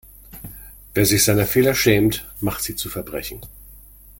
Wer sich seiner Fehler schämt, macht sie zu Verbrechen.